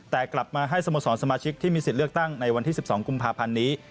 แต่กลับมาให้สโมสรสมาชิกที่มีสิทธิ์เลือกตั้งในวันที่๑๒กุมภาพันธ์นี้